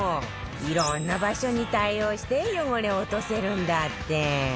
いろんな場所に対応して汚れを落とせるんだって